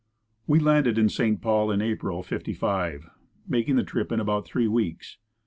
We landed in St. Paul in April '55, making the trip in about three weeks.